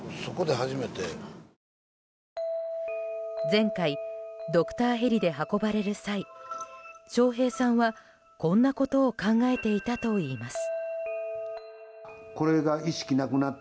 前回ドクターヘリで運ばれる際笑瓶さんは、こんなことを考えていたといいます。